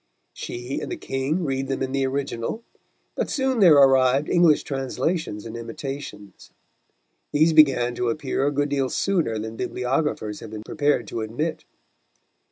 She and the King read them in the original, but soon there arrived English translations and imitations. These began to appear a good deal sooner than bibliographers have been prepared to admit.